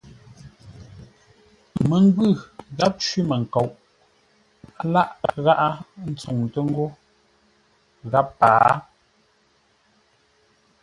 Məngwʉ̂ gháp cwímənkoʼ láʼ ngáʼá ntsuŋtə́ ńgó gháp pâa.